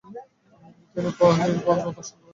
তিনি পওহারী বাবার দর্শন করেন।